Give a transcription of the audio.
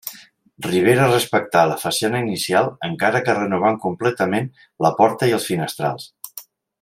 Ribera respectar la façana inicial encara que renovat completament la porta i els finestrals.